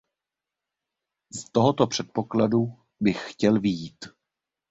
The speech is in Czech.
Z tohoto předpokladu bych chtěl vyjít.